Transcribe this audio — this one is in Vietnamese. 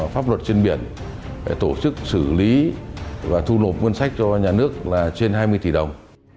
pháp luật trên biển phải tổ chức xử lý và thu nộp ngân sách cho nhà nước là trên hai mươi tỷ đồng